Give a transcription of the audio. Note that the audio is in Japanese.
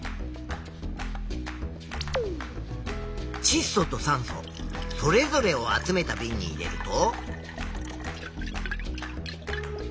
ちっ素と酸素それぞれを集めたびんに入れると。